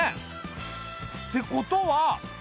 ってことは。